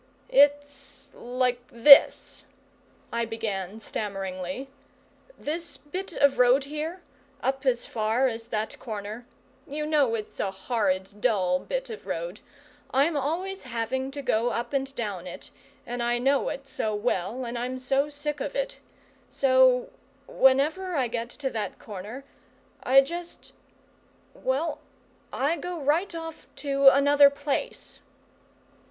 "It's like this," I began stammeringly. "This bit of road here up as far as that corner you know it's a horrid dull bit of road. I'm always having to go up and down it, and I know it so well, and I'm so sick of it. So whenever I get to that corner, I just well, I go right off to another place!"